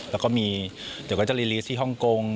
แล้วก็มีเดี๋ยวก็จะรีลีสที่ฮ่องกง